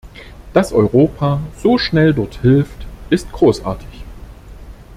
Dass Europa so schnell dort hilft, ist großartig.